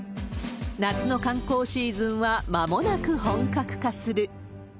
夏の観光シーズンは、まもなく本格化する。